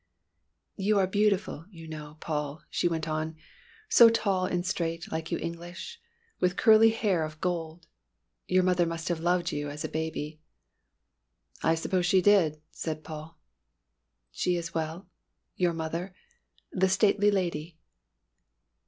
"You are beautiful, you know, Paul," she went on. "So tall and straight like you English, with curly hair of gold. Your mother must have loved you as a baby." "I suppose she did," said Paul. "She is well? Your mother, the stately lady?"